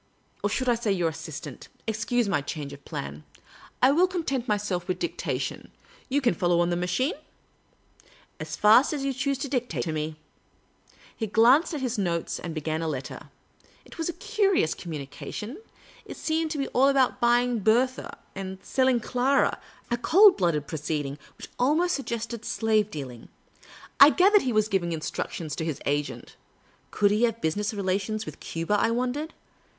Or .should I say your assistant ? Excuse my change of plan. I will content myself with dic tation. You can follow on the machine ?''" As fast as you choose to dictate to me." He glanced at his notes and began a letter. It was a curious communication. It seemed to be all about buying Bertha and selling Clara — a cold blooded proceeding which almost suggested slave dealing. I gathered he was giving instructions to his agent : could he have business rela tions with Cuba? I wondered.